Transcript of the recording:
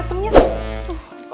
kalau gue gak sesaing makan